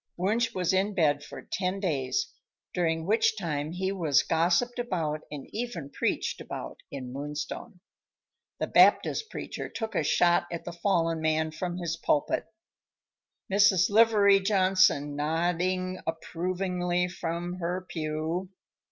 Wunsch was in bed for ten days, during which time he was gossiped about and even preached about in Moonstone. The Baptist preacher took a shot at the fallen man from his pulpit, Mrs. Livery Johnson nodding approvingly from her pew.